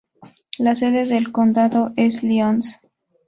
La sede del condado es Lyons.